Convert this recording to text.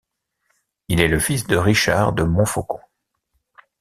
Il est le fils de Richard de Montfaucon.